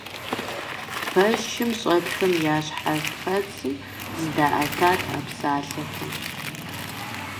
Пэшым щӀэтхэм я щхьэфэцым зыдаӀэтат а псалъэхэм.